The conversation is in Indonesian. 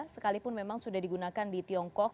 sekalipun memang sudah digunakan di tiongkok